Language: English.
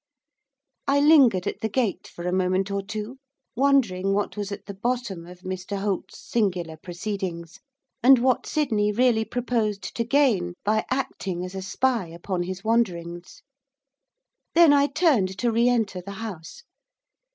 I lingered at the gate, for a moment or two, wondering what was at the bottom of Mr Holt's singular proceedings, and what Sydney really proposed to gain by acting as a spy upon his wanderings. Then I turned to re enter the house.